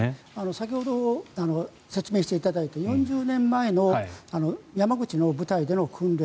先ほど説明していただいた４０年前の山口の部隊での訓練。